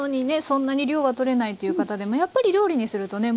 そんなに量はとれないという方でもやっぱり料理にするとね